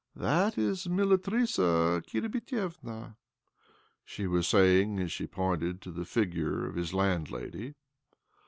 " That is Militrissa Kirbitievna," s was saying as she pointed to the figure of landlady.